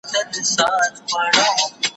ویل پوه لا د ژوندون په قانون نه یې